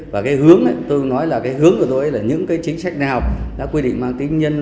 và hướng tôi nói là hướng của tôi là những chính sách nào đã quy định mang kính nhân